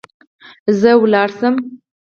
زه ولاړ سوم.